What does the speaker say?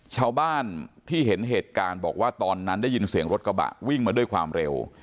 ชาวบ้านที่เห็นเหตุการณ์บอกว่าตอนนั้นได้ยินเสียงรถกระบะวิ่งมาด้วยความเร็ว